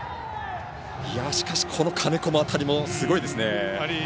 しかし、金子の当たりもすごいですね。